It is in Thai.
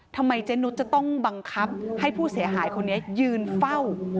เจ๊นุสจะต้องบังคับให้ผู้เสียหายคนนี้ยืนเฝ้า